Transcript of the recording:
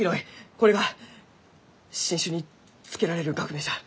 これが新種に付けられる学名じゃ。